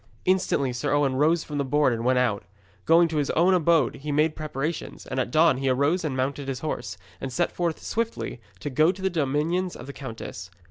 Instantly Sir Owen rose from the board and went out. Going to his own abode he made preparations, and at dawn he arose and mounted his horse, and set forth swiftly to go to the dominions of the countess.